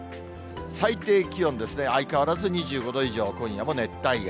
最低気温ですね、相変わらず２５度以上、今夜も熱帯夜。